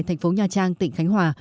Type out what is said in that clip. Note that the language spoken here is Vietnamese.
thành phố nha trang tỉnh khánh hòa